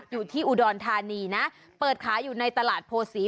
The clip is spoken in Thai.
อยู่ที่อุดรธานีนะเปิดขายอยู่ในตลาดโพศี